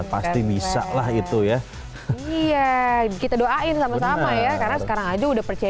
akses monika iya hi mat official hai kita doain sama sama ya karena sekarang aja udah percaya